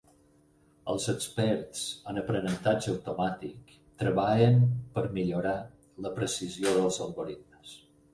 Els experts en aprenentatge automàtic treballen per millorar la precisió dels algoritmes.